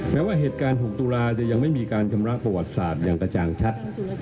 แม้ว่าเหตุการณ์๖ตุลาจะยังไม่มีการชำระประวัติศาสตร์อย่างกระจ่างชัด